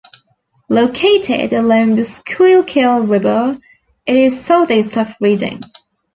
Located along the Schuylkill River, it is southeast of Reading.